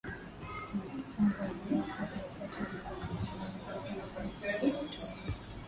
mipango ya muda mfupi wa kati na mrefu kupambana na hali hiiWatu wengi